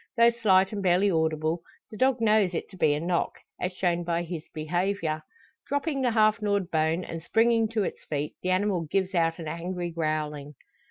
Though slight and barely audible, the dog knows it to be a knock, as shown by his behaviour. Dropping the half gnawed bone, and springing to its feet, the animal gives out an angry growling.